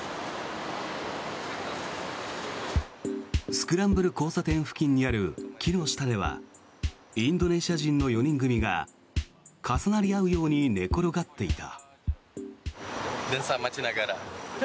スクランブル交差点付近にある木の下ではインドネシア人の４人組が重なり合うように寝転がっていた。